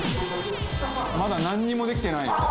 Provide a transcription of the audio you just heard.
「まだなんにもできてないよ。